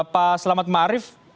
pak selamat ma'arif kabar